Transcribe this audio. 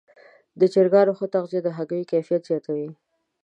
د چرګانو ښه تغذیه د هګیو کیفیت زیاتوي.